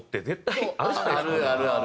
あるあるある。